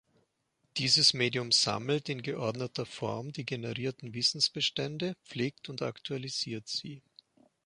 Dieses Medium "sammelt" in geordneter Form die generierten Wissensbestände, pflegt und aktualisiert sie.